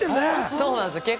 そうなんです。